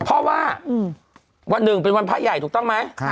เพราะว่าวันหนึ่งเป็นวันพระใหญ่ถูกต้องไหม